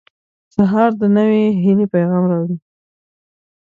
• سهار د نوې هیلې پیغام راوړي.